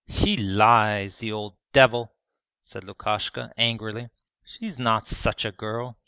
'He lies, the old devil!' said Lukashka, angrily. 'She's not such a girl.